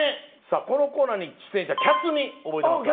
このコーナーに出演したキャツミ覚えてますか？